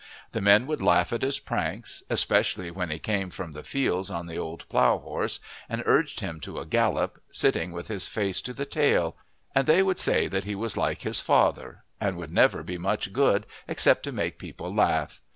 The men would laugh at his pranks, especially when he came from the fields on the old plough horse and urged him to a gallop, sitting with his face to the tail; and they would say that he was like his father, and would never be much good except to make people laugh.